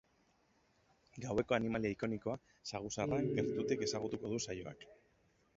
Gaueko animalia ikonikoa, saguzarra, gertutik ezagutuko du saioak.